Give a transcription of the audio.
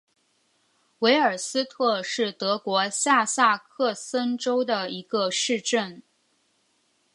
维尔斯特是德国下萨克森州的一个市镇。